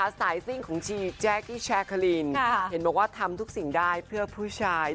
สายซิ่งของชีแจ๊กกี้แชร์คาลินเห็นบอกว่าทำทุกสิ่งได้เพื่อผู้ชาย